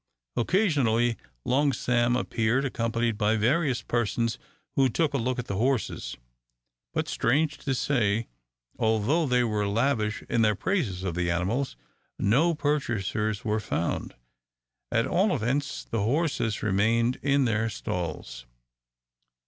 Occasionally Long Sam appeared, accompanied by various persons who took a look at the horses; but, strange to say, although they were lavish in their praises of the animals, no purchasers were found. At all events, the horses remained in their stalls.